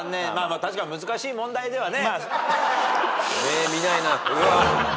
確かに難しい問題ではね。